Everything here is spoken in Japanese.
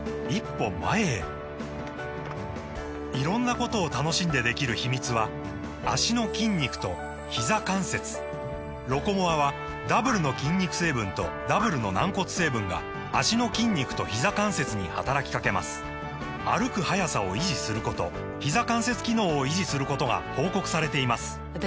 色んなことを楽しんでできる秘密は脚の筋肉とひざ関節「ロコモア」はダブルの筋肉成分とダブルの軟骨成分が脚の筋肉とひざ関節に働きかけます歩く速さを維持することひざ関節機能を維持することが報告されています